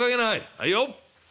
「はいよ！